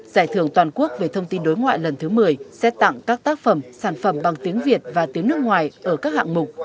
giải thưởng toàn quốc về thông tin đối ngoại lần thứ một mươi sẽ tặng các tác phẩm sản phẩm bằng tiếng việt và tiếng nước ngoài ở các hạng mục